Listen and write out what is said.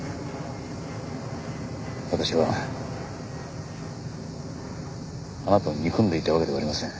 私はあなたを憎んでいたわけではありません。